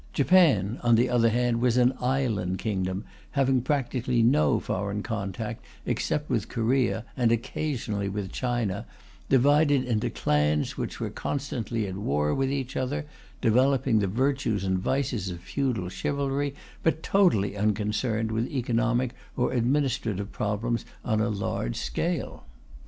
Japan, on the other hand, was an island kingdom, having practically no foreign contact except with Korea and occasionally with China, divided into clans which were constantly at war with each other, developing the virtues and vices of feudal chivalry, but totally unconcerned with economic or administrative problems on a large scale.